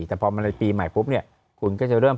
แต่พอมันในปีใหม่พบคุณก็จะเริ่ม